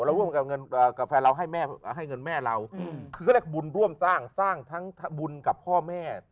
เราร่วมกับแฟนเราให้เงินแม่เราก็เรียกว่าบุญร่วมสร้างสร้างทั้งบุญกับพ่อแม่